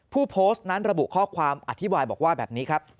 ผู้โพสต์นั้นระบุข้อความอธิบายบอกว่าแบบนี้ครับ